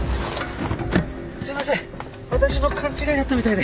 すいません私の勘違いだったみたいで。